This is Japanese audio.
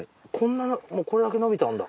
もうこれだけ伸びたんだ。